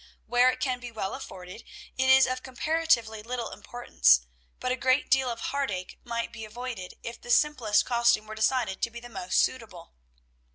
Where it can be well afforded, it is of comparatively little importance, but a great deal of heartache might be avoided, if the simplest costume were decided to be the most suitable.